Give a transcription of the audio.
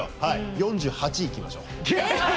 ４８、いきましょう！